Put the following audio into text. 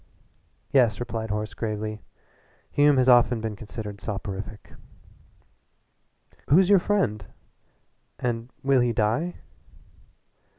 "Yes," replied Horace gravely, "Hume has often been considered soporific " "Who's your friend and will he die?"